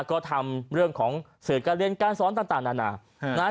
ก็ทำเรื่องของสื่อการเรียนการสอนต่างนานานะฮะ